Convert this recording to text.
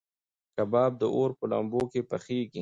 کباب د اور په لمبو کې پخېږي.